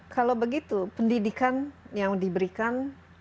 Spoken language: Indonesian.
kalau begitu pendidikan yang diberikan